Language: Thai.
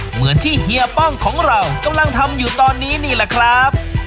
เหมือนที่เฮียป้องของเรากำลังทำอยู่ตอนนี้นี่แหละครับ